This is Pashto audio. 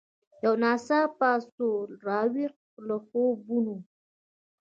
یو ناڅاپه سوه را ویښه له خوبونو